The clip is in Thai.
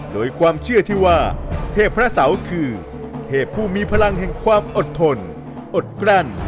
โดยความเชื่อที่ว่าเทพพระเสาคือเทพผู้มีพลังแห่งความอดทนอดกลั้น